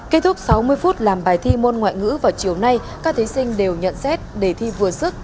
kết thúc sáu mươi phút làm bài thi môn ngoại ngữ vào chiều nay các thí sinh đều nhận xét đề thi vừa sức